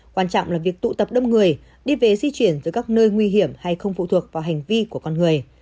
quan trọng là việc tụ tập đông người đi về di chuyển tới các nơi nguy hiểm hay không phụ thuộc vào hành vi của con người